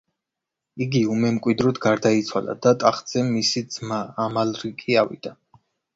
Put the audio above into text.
იგი უმემკვიდროდ გარდაიცვალა და ტახტზე მისი ძმა, ამალრიკი ავიდა.